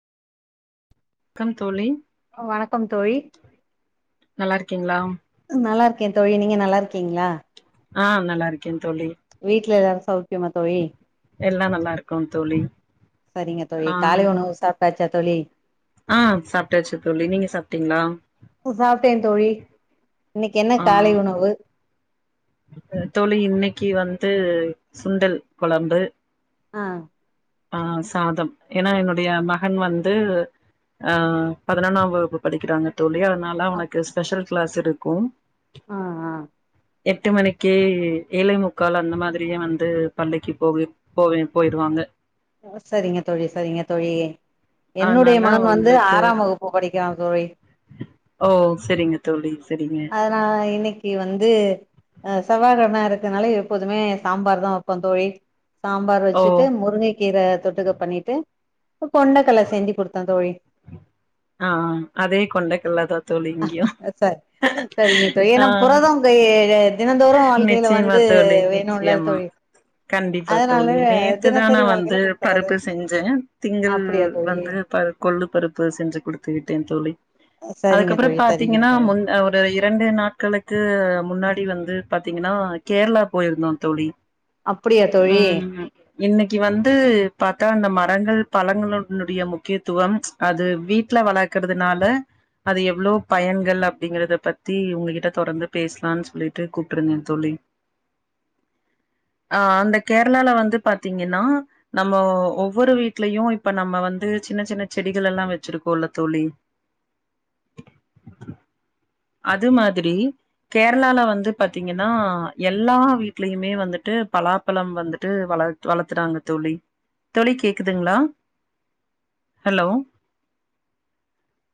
come தோழி வணக்கம் தோழி நல்லா இருக்கீங்களா நல்லாருக் தோழி நீங்க நல்லாருக்கீங்ளா ஆ நல்லாருக்கே தோழி ட்ல எலாரு சௌக்கியமா தோழி எல்லா நல்லாருக்கோ தோழி சரிங்க தோழி ஆ காலை உணவு சாப்ட்டாச்சா தோழி ஆ சாப்ட்டாச்சு தோழி நீங்க சாப்ட்டீங்ளா சாப்ட்டே தோழி இன்னைக்கு என்ன ஆ காலை உணவு தோழி இன்னைக்கு வந் ந்து சுண்டல் கொழம்பு ஆ ஆ சாதம் ஏனா என்னுடைய மகன் வந்து அ பதினொன்னாம் வகுப்பு படிக்கிறாங்க தோழி அதனால அவனுக்கு ஸ்பெஷல் கிளாஸ் இருக்கு ஆ ஆ எட்டு மணிக்கு ஏழே முக்கால் அந்த மாதிரியே வந்து பள்ளிக்கு போகு போவே போயிருவாங்க அ செரிங்க தோழி செரிங்க தோழி என்னுடைய அதனால மகன் வந்து அவங்களுக்கு ஆறாம் வகுப்பு படிக் கியா தோழி ஓ செரிங்க தோழி சரிங்க அதனா இன்னைக்கு கி வந்து அ செவ்வா கெழமையா இருக்கனால எப்போதுமே சாம்பார் தா வப்போ தோழி சாம்பார் ஓ வச்சுட்டு முருங்க கீர தொட்டுக்க பண்ணிட்டு ப்ப கொண்டக்கல்ல செஞ்சு குடுத்தே தோழி ஆ ஆ அதே கொண்டக்கல்ல தா தோழி இங்கியு சார் சரிங்க தோழி ஆ ஏன்னா புரதம் கை தினந்தோறும் வாழ்க்கையில நிச்சயமா வந்து தோழி வேணும்ல நிச்சயமா தோழி கண்டிப்பா அதனால தோழி நேத்துதா நா தினசரி வந்து வாழ்க்கையில குடுத்துறது பருப்பு செஞ்சே திங்கள் அப்படியா தோழி வந்து ப கொள்ளு பருப்பு செஞ்சு குடுத்து விட்டே தோழி சரிங்க அதுக்கப்றம் தோழி சரிங்க பாத்தீங்கனா தோழி முன் அ ஒரு ஒரு இரண்டு நாட்களுக்கு முன்னாடி வந்து பாத்தீங்கனா கேரளா போயிருந்தோ தோழி அப்படியா தோழி ம் இன்னைக்கு வந்து பாத்தா அந்த மரங்கள் பழங்கள் னுடைய முக்கியத்துவம் அது வீட் ல வளக்கறதுனால அது எவ்ளோ பயன்கள் அப்டிங்கறத பத்தி உங்ககிட்ட தொடர்ந்து பேஸ்லான் சொல்லிட்டு கூப்ட்ருந்தே தோழி அ [inaudible] அ அந்த கேரளால வந்து பாத்தீங்கன்னா நம்ம ஒவ்வொரு வீட்லயு இப்ப நம்ம வந்து து சின்ன சின்ன செடிகள் எல்லா வச்சிருக்கோல்ல தோழி அ [inaudible] அது மாதிரி கேரளால வந்து பாத்தீங்கன்னா எல்லா வீட்லயுமே வந்துட் ட்டு பலாப்பழம் வந்துட்டு வள வளத்துறாங்க தோழி தோழி கேக்குதுங்ளா ஹலோ